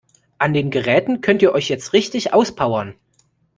An den Geräten könnt ihr euch jetzt richtig auspowern.